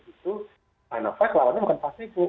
itu sinovac lawannya bukan pasifik